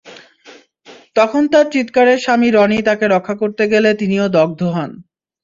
তখন তাঁর চিৎকারে স্বামী রনি তাঁকে রক্ষা করতে গেলে তিনিও দগ্ধ হন।